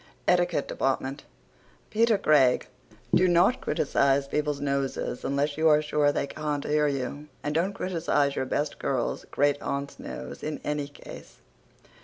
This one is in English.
ETIQUETTE DEPARTMENT P r C g: Do not criticize people's noses unless you are sure they can't hear you, and don't criticize your best girl's great aunt's nose in any case.